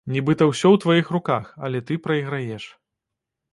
Нібыта ўсё ў тваіх руках, але ты прайграеш.